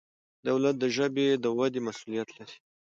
دولت د ژبې د ودې مسؤلیت لري.